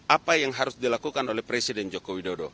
apa yang harus dilakukan oleh presiden joko widodo